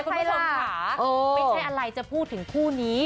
ไม่ใช่อะไรจะพูดถึงคู่นี้